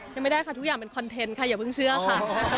ยังไม่ได้ค่ะทุกอย่างเป็นคอนเทนต์ค่ะอย่าเพิ่งเชื่อค่ะ